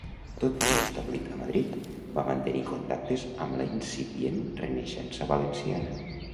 Tot i establit a Madrid, va mantenir contactes amb la incipient Renaixença valenciana.